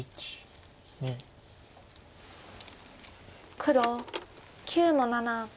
黒９の七。